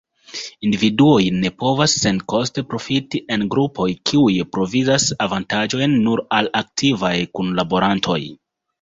Individuoj ne povos senkoste profiti en grupoj, kiuj provizas avantaĝojn nur al aktivaj kunlaborantoj.